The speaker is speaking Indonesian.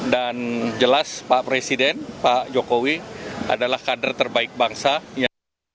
dan jelas pak presiden pak jokowi adalah kader terbaik bangsa